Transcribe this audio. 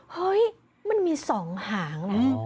เฮ้ยมันมีสองหาง